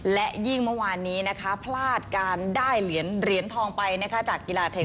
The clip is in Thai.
และยิ่งเมื่อวานนี้นะคะพลาดการได้เหรียญทองไปจากกีฬาเทน